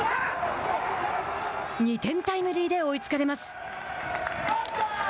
２点タイムリーで追いつかれます。